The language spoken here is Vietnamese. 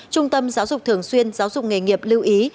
trung tâm giáo dục thường xuyên giáo dục nghề nghiệp lưu ý